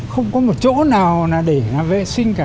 không có một chỗ nào để vệ sinh cả